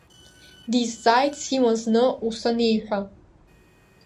Дизҵааит Сима зны, ус аниҳәа.